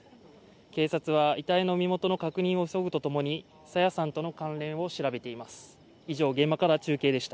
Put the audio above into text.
警察は遺体の身元の確認を急ぐとともに朝芽さんとの関連を調べています。